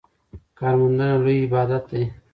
کارموندنه لوی عبادت دی.